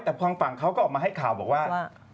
แต่ทางฝั่งเขาก็ออกมาให้ข่าวบอกว่า